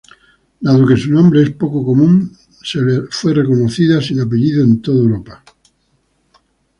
Dado que su nombre es poco común, fue reconocida sin apellido en toda Europa.